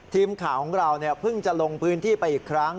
ทีมข่าวของเราเพิ่งจะลงพื้นที่ไปอีกครั้ง